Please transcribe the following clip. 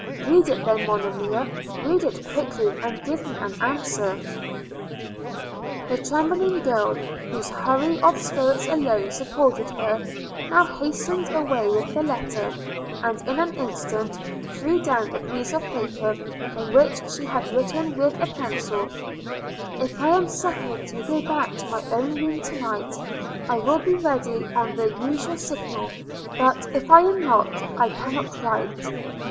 – Read it then, Monimia, read it quickly and give me an answer.' The trembling girl, whose hurry of spirits alone supported her, now hastened away with the letter; and, in an instant, threw down a piece of paper on which she had written with a pencil – 'If I am suffered to go back to my own room to night, I will be ready on the usual signal; but, if I am not, I cannot write.